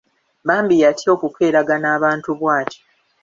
Bambi yatya okukeeragana abantu bw'atyo.